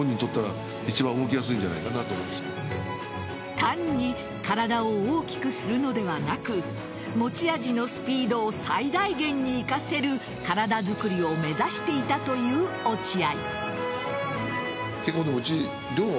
単に体を大きくするのではなく持ち味のスピードを最大限に生かせる体づくりを目指していたという落合。